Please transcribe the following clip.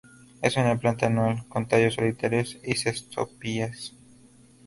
Es una planta anual; con tallos solitarios, o cespitosa.